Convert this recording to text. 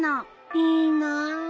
いいなあ。